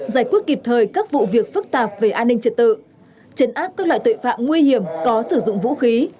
giải quyết kịp thời các vụ việc phức tạp về an ninh trật tự chấn áp các loại tội phạm nguy hiểm có sử dụng vũ khí